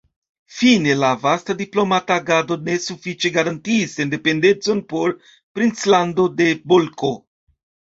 Fine la vasta diplomata agado ne sufiĉe garantiis sendependecon por princlando de Bolko.